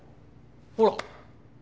ほら！